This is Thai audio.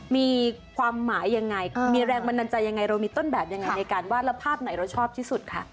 มีความหมายยังไงมีแรงบันดาลใจยังไงเรามีต้นแบบยังไงในการวาดแล้วภาพไหนเราชอบที่สุดคะ